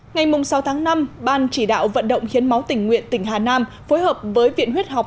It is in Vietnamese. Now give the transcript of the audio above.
ngày sáu tháng năm ban chỉ đạo vận động hiến máu tỉnh nguyện tỉnh hà nam phối hợp với viện huyết học